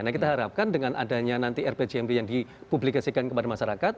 nah kita harapkan dengan adanya nanti rpjmd yang dipublikasikan kepada masyarakat